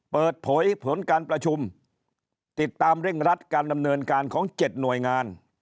เปิดเผยผลการประชุมติดตามเร่งรัดการดำเนินการของ๗หน่วยงาน